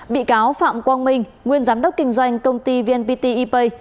bị cáo phạm quang minh nguyên giám đốc kinh doanh công ty vnpt e pay